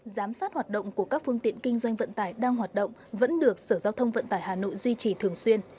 giám sát hoạt động của các phương tiện kinh doanh vận tải đang hoạt động vẫn được sở giao thông vận tải hà nội duy trì thường xuyên